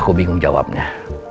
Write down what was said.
aku bingung jawabnya